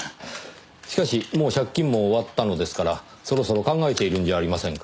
しかしもう借金も終わったのですからそろそろ考えているんじゃありませんか？